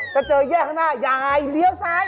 จะเจอเยี่ยงข้างหน้ายายเหลือซ้าย